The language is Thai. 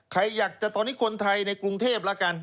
ใครอยากจะตอนนี้คนไทยในกรุงเทพละกัน